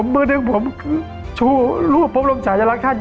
มือด้วยผมคือชูรูปพบลมฉายลักษณ์